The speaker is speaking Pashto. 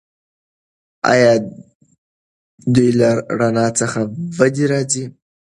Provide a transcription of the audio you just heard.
ایا دوی له رڼایي څخه بدې راځي؟